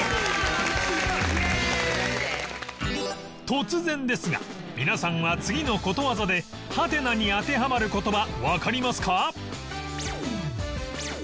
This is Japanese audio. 突然ですが皆さんは次のことわざでハテナに当てはまる言葉わかりますか？